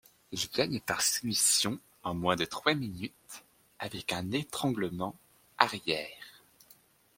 Il gagne par soumission en moins de trois minutes avec un étranglement arrière.